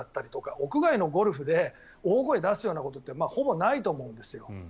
屋外のゴルフで大声を出すようなことってほぼないと思うんですよ。